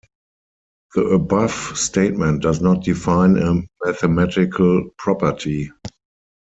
The above statement does not define a mathematical property.